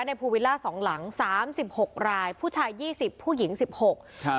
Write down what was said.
ในภูวิลล่า๒หลัง๓๖รายภูชาย๒๐ผู้หญิง๑๖ครับ